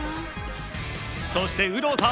そして有働さん